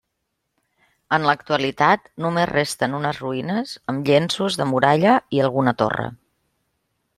En l'actualitat només resten unes ruïnes amb llenços de muralla i alguna torre.